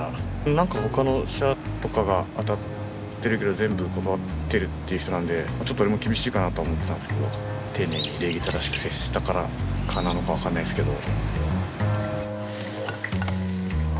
何かほかの社とかが当たってるけど全部断ってるっていう人なんでちょっと俺も厳しいかなとは思ってたんですけど丁寧に礼儀正しく接したからかなのか分かんないですけど。